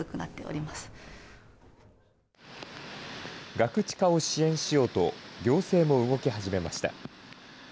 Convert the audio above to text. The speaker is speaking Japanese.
ガクチカを支援しようと、行政も動き始めました。